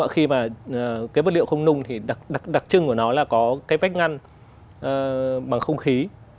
khi mà cái vật liệu không nung thì đặc trưng của nó là có cái vách ngăn bằng không khí